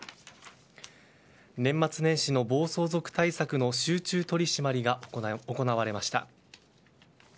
年末年始の暴走族対策の集中取り締まりが行われました。